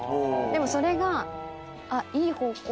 でもそれがいい方向